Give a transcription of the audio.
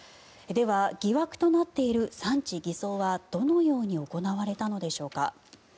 では疑惑となっている産地偽装はどのように行われたのでしょうか。